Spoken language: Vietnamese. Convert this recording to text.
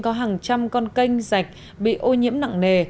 có hàng trăm con canh rạch bị ô nhiễm nặng nề